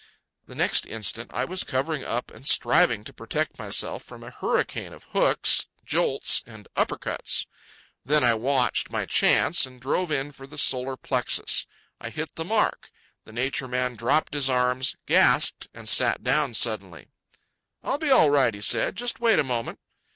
The next instant I was covering up and striving to protect myself from a hurricane of hooks, jolts, and uppercuts. Then I watched my chance and drove in for the solar plexus. I hit the mark. The Nature Man dropped his arms, gasped, and sat down suddenly. "I'll be all right," he said. "Just wait a moment."